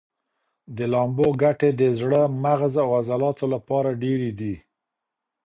د لامبو ګټې د زړه، مغز او عضلاتو لپاره ډېرې دي.